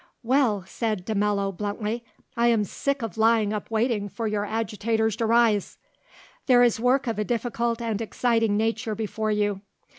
"Well," said de Mello bluntly, "I am sick of lying up waiting for your agitators to rise." "There is work of a difficult and exciting nature before you.